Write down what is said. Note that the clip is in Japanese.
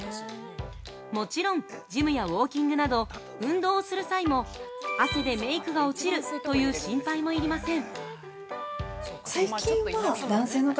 もちろん、ジムやウォーキングなど運動する際も汗でメイクが落ちるという心配も要りません。